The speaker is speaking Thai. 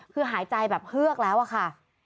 คือหายใจแบบเฮือกแล้วอะค่ะ